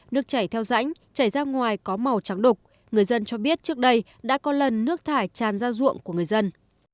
nước chảy theo rãnh chảy ra ngoài có màu trắng đục người dân cho biết trước đây đã có lần nước thải tràn ra ruộng của người dân